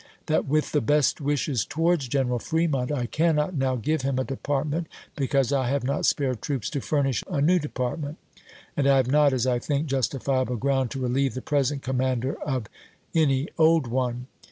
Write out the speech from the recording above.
That with the best wishes towards General Fremont, I cannot now give him a Department, because I have not spare troops to furnish a new Department ; and I have not, as I think, justifiable ground to relieve the present commander of any old one.